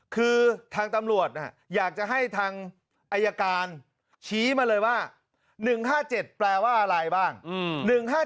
คือทางตำรวจอยากจะให้ทางอายการชี้มาเลยว่า๑๕๗แปลว่าอะไรบ้าง